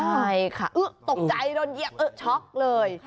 ใช่ค่ะตกใจโดนเหยียบช็อคเลย